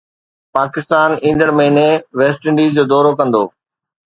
پاڪستان ايندڙ مهيني West Indies جو دورو ڪندو